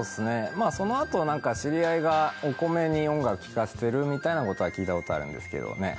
まあそのあとなんか知り合いがお米に音楽聞かせてるみたいな事は聞いた事あるんですけどね。